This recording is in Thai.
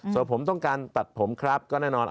ส่วนผมต้องการตัดผมครับก็แน่นอน